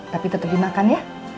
tapi tetep dimakan ya